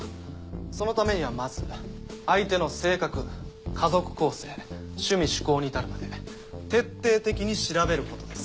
そのためにはまず相手の性格家族構成趣味嗜好に至るまで徹底的に調べることです。